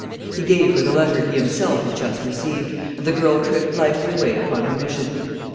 He gave her the letter he himself had just received, and the girl tripped lightly away upon her mission.